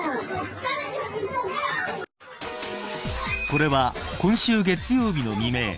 これは今週月曜日の未明